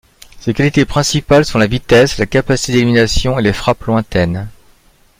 Ses qualités principales sont la vitesse, la capacité d'élimination et les frappes lointaines.